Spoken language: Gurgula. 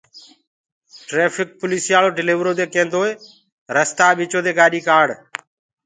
ٽريڦڪ پوليٚسيآݪو ڊليورو دي ڪينٚدوئيٚ رستآ ٻچو دي گآڏي ڪآڙ